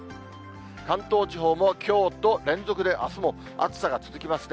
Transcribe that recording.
関東地方もきょうと連続で、あすも暑さが続きますね。